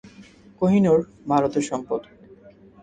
কোহিনূর ভারতের সম্পদ!